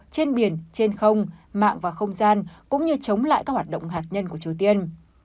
trên biển trên không mạng và không gian cũng như chống lại các hoạt động hạt nhân của triều tiên